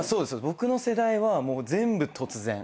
僕の世代はもう全部突然。